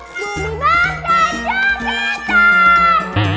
pelanetku ada nelapan